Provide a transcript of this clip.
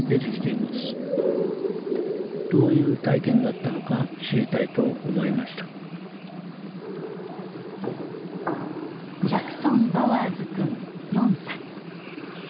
どういう体験だったのか知りたいと思いましたジャクソン・バワーズ君４歳。